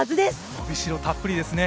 伸びしろたっぷりですね。